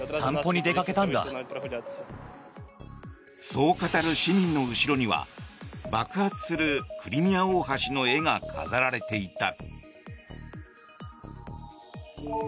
そう語る市民の後ろには爆発するクリミア大橋の絵が飾られていた。